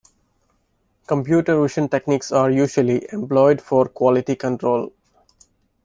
Computer vision techniques are usually employed for quality control.